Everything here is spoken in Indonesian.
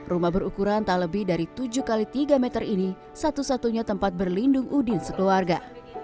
rumah berukuran tak lebih dari tujuh x tiga meter ini satu satunya tempat berlindung udin sekeluarga